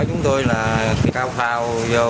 chúng tôi là cao phao vô